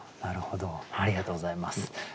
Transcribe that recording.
ありがとうございます。